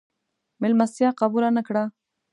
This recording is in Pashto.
مېلمستیا قبوله نه کړه.